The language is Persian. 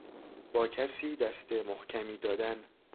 با کسی دست محکمی دادن